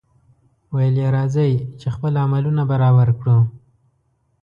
ویل یې راځئ! چې خپل عملونه برابر کړو.